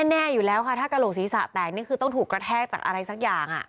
แน่อยู่แล้วค่ะถ้ากระโหลกศีรษะแตกนี่คือต้องถูกกระแทกจากอะไรสักอย่าง